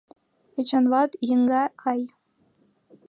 Эчанват еҥга-ай!